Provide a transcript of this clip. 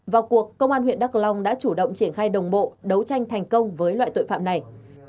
vào cuộc công an huyện đắk long đã chủ động triển khai đồng bộ đấu tranh thành công với loại tội phạm này